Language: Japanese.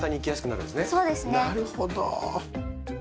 なるほど。